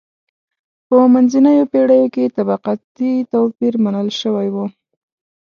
په منځنیو پېړیو کې طبقاتي توپیر منل شوی و.